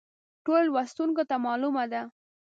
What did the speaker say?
ټولو لوستونکو ته معلومه ده.